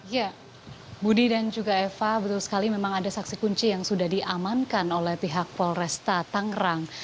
ya budi dan juga eva betul sekali memang ada saksi kunci yang sudah diamankan oleh pihak polresta tangerang